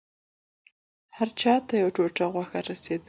هر چا ته يوه ټوټه غوښه رسېدله.